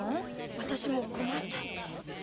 私も困っちゃって。